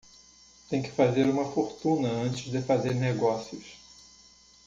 Tem que fazer uma fortuna antes de fazer negócios